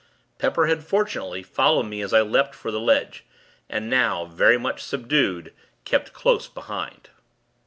Pepper had, fortunately, followed me as I leapt for the ledge, and now, very much subdued, kept close behind.